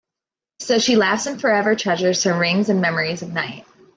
So she laughs and forever treasures her rings and memories of Night.